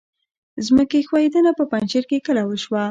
ځمکې ښویدنه په پنجشیر کې کله وشوه؟